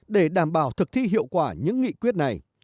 để đảm bảo thực thi hiệu quả những nghị quyết này